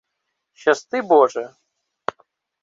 — Щасти Боже!